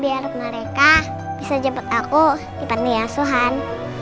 biar mereka bisa jemput aku di pandang asuhan